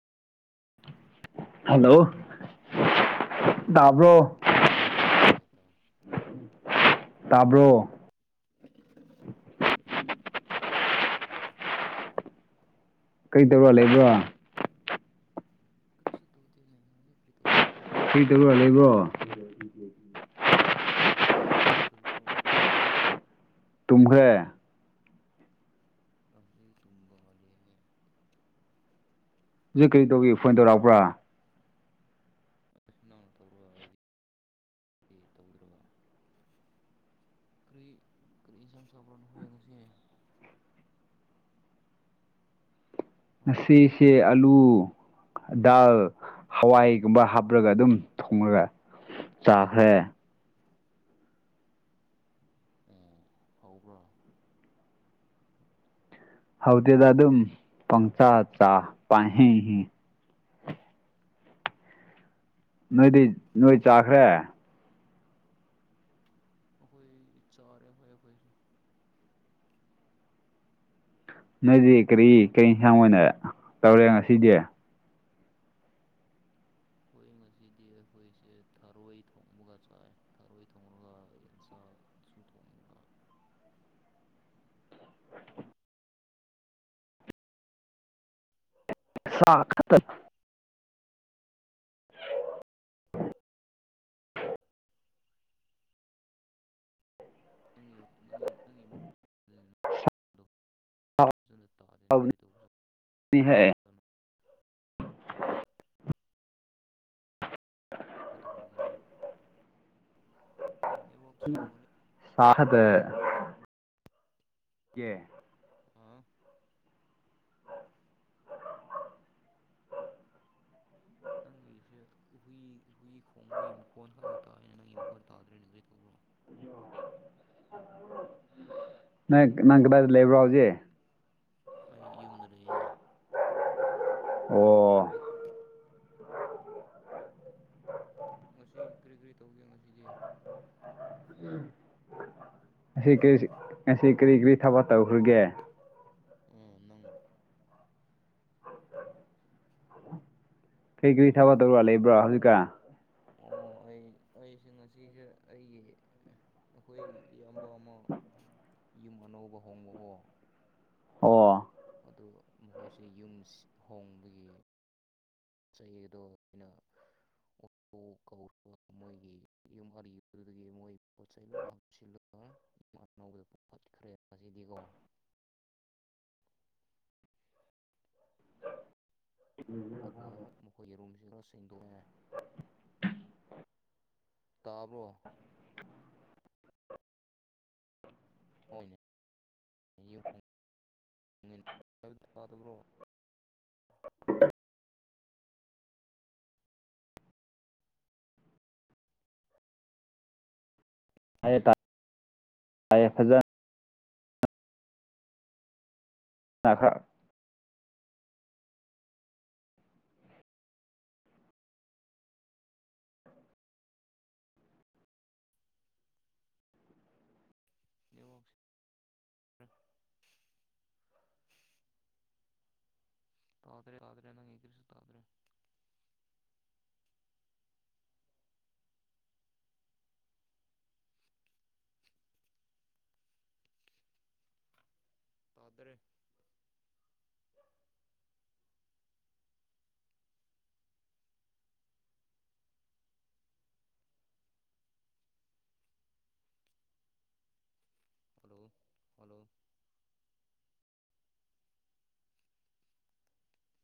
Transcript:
hello ꯑꯣ hello ꯗꯥꯕ꯭ꯔꯣ ꯇꯥꯏ ꯇꯥꯏ ꯕ꯭ꯔꯣ ꯇꯥꯏꯅꯦꯍꯦ ꯀꯩ ꯇꯧꯔ ꯂꯩꯕ꯭ꯔꯥ ꯀ꯭ꯔꯤꯁꯨ ꯇꯧꯗꯦ [unintelligible] ꯀ꯭ꯔꯤ ꯇꯧꯕ꯭ꯔꯣ ꯀ꯭ꯔꯤ ꯇꯧꯔ ꯂꯩꯕ꯭ꯔꯣ ꯀꯔꯤꯁꯨ ꯇꯧꯗꯦ ꯅꯪ ꯀꯔꯤ ꯇꯧꯕ꯭ꯔꯣ ꯇꯨꯝꯒ꯭ꯔꯦ [unintelligible] ꯗꯨꯗꯤ ꯀ꯭ꯔꯤ ꯀꯔꯤꯒꯤ ꯇꯧꯕꯩ ꯐꯣꯟ ꯇꯧꯔꯛꯄ꯭ꯔꯥ ꯑꯦ ꯅꯧꯅ ꯇꯧꯔꯥ ꯑꯩꯗꯤ ꯇꯧꯗ꯭ꯔꯒ ꯀ꯭ꯔꯤ ꯀꯔꯤ ꯢꯟꯁꯥꯡ ꯆꯥꯕ꯭ꯔꯥ ꯅꯍꯣꯢ ꯉꯁꯤ ꯍꯜꯂꯣ ꯉꯁꯤꯁꯤ ꯑꯂꯨ ꯗꯥꯜ ꯍꯋꯥꯏꯒꯨꯝꯕ ꯍꯥꯞꯂꯒ ꯑꯗꯨꯝ ꯊꯣꯡꯔꯒ ꯆꯥꯈ꯭ꯔꯦ ꯎꯣ ꯍꯥꯎꯕ꯭ꯔꯥ ꯍꯥꯎꯗꯦꯗ ꯑꯗꯨꯝ ꯄꯪ ꯆꯥ-ꯆꯥ ꯄꯪꯍꯤꯡ ꯍꯤꯡ ꯅꯣꯏꯗꯤ ꯅꯣꯏ ꯆꯥꯈ꯭ꯔꯦ ꯑꯩꯈꯣꯢ ꯆꯥꯔꯦ ꯍꯣꯢ ꯑꯩꯈꯣꯢꯁꯨ ꯅꯣꯏꯗꯤ ꯀꯔꯤ ꯀꯩ ꯍꯤꯟꯁꯥꯡ ꯑꯣꯏꯅ ꯇꯧꯔꯦ ꯉꯁꯤꯗꯤ ꯑꯩꯈꯣꯏ [inaudible] ꯉꯁꯤꯗꯤ ꯑꯩꯈꯣꯏꯁꯦ ꯊꯔꯣꯏ ꯊꯣꯡꯕꯒ ꯆꯥꯏ ꯊꯔꯣꯏ ꯊꯣꯡꯔꯒ ꯌꯦꯟꯁꯥ ꯁꯨ [inaudible] [unintelligible] ꯅꯪꯒꯤ ꯅꯪꯒꯤ ꯃꯈꯣꯟ [unintelligible] ꯀꯩꯗꯧꯕ꯭ꯔꯥ [unintelligible] [inaudible] [unintelligible] ꯊꯤꯕ ꯃꯥꯜꯂꯦ ꯁꯥ ꯈꯛꯇ ꯑ [inaudible] [inaudible] ꯅꯪꯒꯤꯁꯦ ꯍꯨꯏ ꯍꯨꯏ ꯈꯣꯡꯕꯒꯤ ꯃꯈꯣꯟꯜ ꯈꯂꯛꯇ ꯇꯥꯔꯦ ꯅꯪꯒꯤ ꯃꯈꯣꯟ ꯇꯥꯗ꯭ꯔꯦꯅ ꯀꯔꯤ ꯇꯧꯕ꯭ꯔꯣ ꯅꯪ ꯅꯪ ꯀꯗꯥꯏꯗ ꯂꯩꯕ꯭ꯔꯥ ꯍꯧꯖꯤꯛ ꯑꯩ ꯌꯨꯝꯗ ꯂꯩꯌꯦꯅꯦ ꯑꯣ ꯉꯁꯤ ꯀ꯬ꯔꯤ ꯀ꯭ꯔꯤ ꯇꯧꯒꯦ ꯉꯁꯤꯗꯤ ꯉꯁꯤ ꯀ꯭ꯔꯤꯁꯨ ꯉꯁꯤ ꯀ꯭ꯔꯤ ꯀ꯭ꯔꯤ ꯊꯕꯛ ꯇꯧꯈ꯭ꯔꯒꯦ ꯑꯣ ꯅꯪ ꯀ꯭ꯔꯤ ꯀ꯭ꯔꯤ ꯊꯕꯛ ꯇꯧꯔ ꯂꯩꯕ꯭ꯔꯥ ꯍꯧꯖꯤꯛꯀꯥꯟ ꯑꯣ ꯑꯩ ꯑꯩꯁꯦ ꯉꯁꯤꯁꯦ ꯑꯩꯒꯤ ꯑꯩꯈꯣꯏ ꯏꯌꯥꯝꯕ ꯑꯃ ꯌꯨꯝ ꯑꯅꯧꯕ ꯍꯣꯡꯕꯨꯀꯣ ꯑꯣ ꯑꯗꯨ ꯃꯈꯣꯏꯁꯦ ꯌꯨꯝ ꯍꯣꯡꯕꯒꯤ ꯆꯍꯤꯗꯣ ꯑꯩꯅ ꯑꯣꯣꯧ ꯃꯣꯏꯒꯤ ꯌꯨꯝ ꯑꯔꯤꯕꯗꯨꯗꯒꯤ ꯃꯣꯏ ꯄꯣꯠ ꯆꯩꯩ ꯂꯣꯏ ꯍꯥ ꯑꯅꯧꯕꯗ ꯄ ꯈꯔ ꯍꯄꯁꯤꯗꯤꯀꯣ ꯑ ꯑꯥ ꯌꯩꯅꯣ ꯁꯤꯁꯤꯡꯒꯅꯦ ꯇꯥꯕꯣ ꯍꯣꯏꯅꯦꯥꯗꯕ꯭ꯔꯣ [unintelligible] ꯇ ꯇ ꯇꯑꯦ ꯐꯖꯟ ꯑꯒꯥ ꯌꯦ ꯇꯥꯗꯔ ꯌꯥꯥꯗꯔꯅ ꯉꯀꯁꯤ ꯇꯥꯗꯔꯦ ꯇꯥꯗ꯭ꯔꯦ ꯍꯂꯣ ꯍꯂꯣ